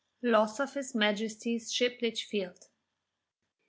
LOSS OF HIS MAJESTY'S SHIP LITCHFIELD.